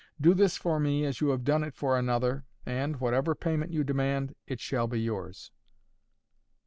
Do this for me, as you have done it for another, and, whatever payment you demand, it shall be yours!"